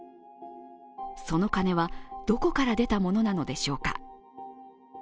その金はどこから出たものなのでしょうか。